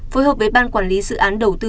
phối hợp với ban quản lý dự án đầu tư